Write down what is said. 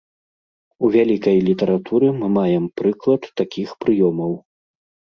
У вялікай літаратуры мы маем прыклад такіх прыёмаў.